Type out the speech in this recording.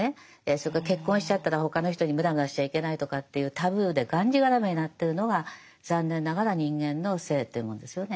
それから結婚しちゃったら他の人にムラムラしちゃいけないとかっていうタブーでがんじがらめになってるのが残念ながら人間の性というもんですよね。